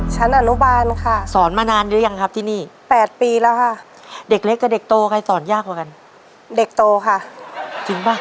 คุณน้อยเองค่ะ